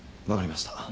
分かりました。